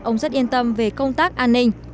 ông rất yên tâm về công tác an ninh